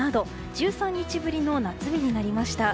１３日ぶりの夏日になりました。